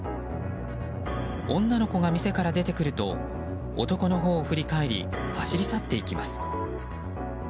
女の子が店から出てくると男のほうを振り返り走り去っていきます。